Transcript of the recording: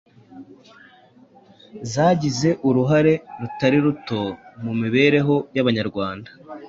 zagize uruhare rutari ruto mu mibereho y’Abanyarwanda.